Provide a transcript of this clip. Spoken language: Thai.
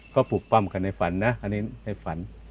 ก็ปลูกปั้มกันในฝันนะอันนี้ในฝัน